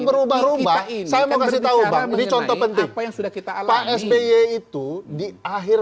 berubah rubah ini saya mau kasih tahu mencoba untuk apa yang sudah kita alami itu di akhir